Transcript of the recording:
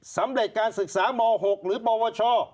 สำเร็จการศึกษาม๖หรือปวช